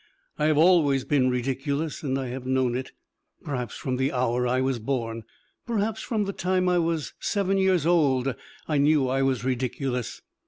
I have always been ridiculous, and I have known it, perhaps, from the hour I was born. Perhaps from the time I was seven years old I knew I was ridiculous.